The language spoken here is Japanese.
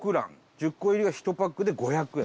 １０個入りが１パックで５００円。